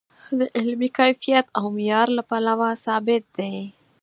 د علمي کیفیت او معیار له پلوه ثابت دی.